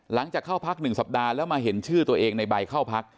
หลังจากเข้าพัก๑สัปดาห์แล้วมาเห็นชื่อตัวเองในใบเข้าพัก